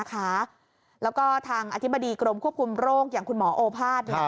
แล้วก็ทางอธิบดีกรมควบคุมโรคอย่างคุณหมอโอภาษย์